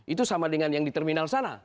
itu sama dengan yang di terminal sana